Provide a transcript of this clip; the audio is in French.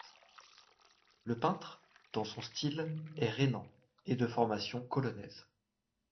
Le peintre, dans son style, est rhénan et de formation colonaise.